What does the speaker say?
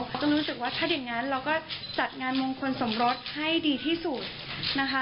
เขาจะรู้สึกว่าถ้าอย่างนั้นเราก็จัดงานมงคลสมรสให้ดีที่สุดนะคะ